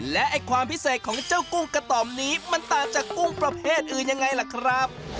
และความพิเศษของเจ้ากุ้งกระต่อมนี้มันต่างจากกุ้งประเภทอื่นยังไงล่ะครับ